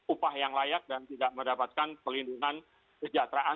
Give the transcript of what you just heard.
upah yang layak dan tidak mendapatkan pelindungan kesejahteraan